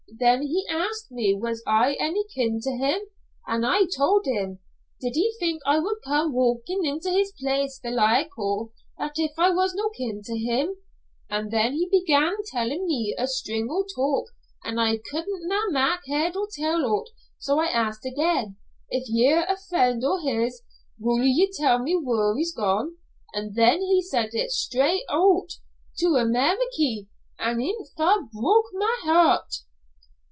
Then he asked me was I any kin to him, an' I told him, did he think I would come walkin' into his place the like o' that if I was no kin to him? An' then he began tellin' me a string o' talk an' I could na' mak' head nor tail o't, so I asked again, 'If ye're a friend o' his, wull ye tell me whaur he's gone?' an' then he said it straight oot, 'To Ameriky,' an' it fair broke my hairt."